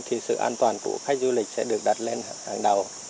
thì sự an toàn của khách du lịch sẽ được đặt lên hàng đầu